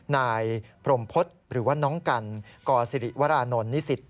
นายพรมพฤษหรือว่าน้องกันกศิริวรานนท์นิสิต